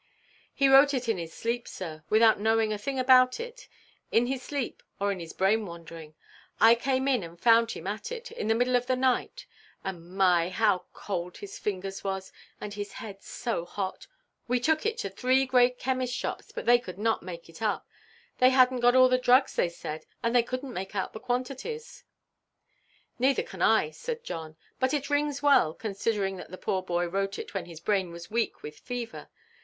"He wrote it in his sleep, sir, without knowing a thing about it; in his sleep, or in his brain–wandering; I came in and found him at it, in the middle of the night; and my, how cold his fingers was, and his head so hot! We took it to three great chemists' shops, but they could not make it up. They hadnʼt got all the drugs, they said, and they couldnʼt make out the quantities." "Neither can I," said John; "but it rings well, considering that the poor boy wrote it when his brain was weak with fever.